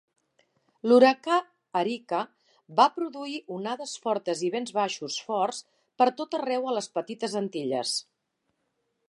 L'huracà Erika va produir onades fortes i vents baixos forts per tot arreu a les Petites Antilles.